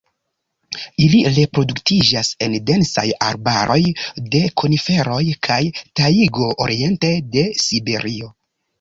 Ili reproduktiĝas en densaj arbaroj de koniferoj kaj tajgo oriente de Siberio.